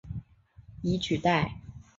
以取代。